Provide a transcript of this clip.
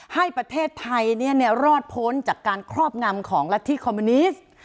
ให้ประเทศไทยรอดพ้นจากการครอบงำของรัฐธิคอมมิวนิสต์